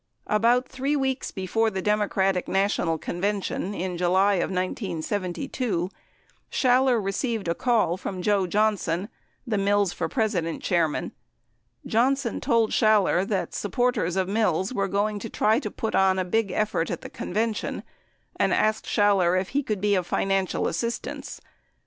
About three weeks before the Democratic National Convention in July of 1972, Schaller received a call from Joe Johnson, the "Mills for President" chairman. Johnson told Schaller that supporters of Mills were going to try to put on a big effort at the convention, and asked Schaller if he could be of financial assistance.